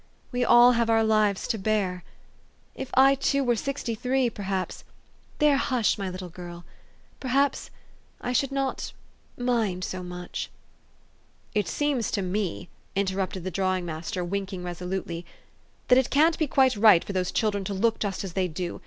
We all have our lives to bear. If I, too, were sixty three, perhaps there, hush, my little girl ! perhaps I should not mind so much " "It seems to me," interrupted the drawing mas ter, winking resolutely, " that it can't be quite right for those children to look just as they do.